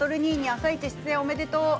「あさイチ」出演おめでとう！